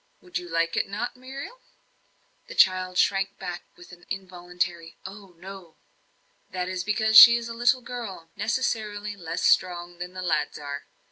Would you not like it, Muriel?" The child shrank back with an involuntary "Oh, no." "That is because she is a little girl, necessarily less strong than the lads are.